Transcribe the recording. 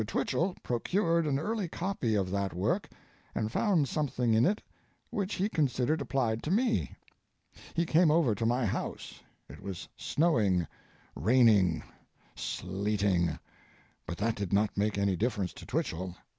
Twichell procured an early copy of that work and found something in it which he considered applied to me. He came over to my house—it was snowing, raining, sleeting, but that did not make any difference to Twichell.